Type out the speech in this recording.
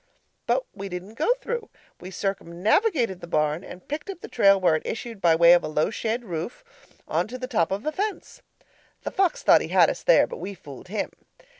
But we didn't go through; we circumnavigated the barn and picked up the trail where it issued by way of a low shed roof on to the top of a fence. The fox thought he had us there, but we fooled him.